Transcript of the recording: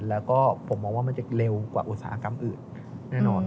แล้วก็ผมมองว่ามันจะเร็วกว่าอุตสาหกรรมอื่นแน่นอน